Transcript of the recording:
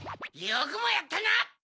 よくもやったな！